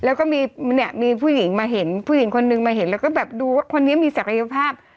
แล้วก็มีเนี่ยมีผู้หญิงมาเห็นผู้หญิงคนนึงมาเห็นแล้วก็แบบดูว่าคนนี้มีศักยภาพ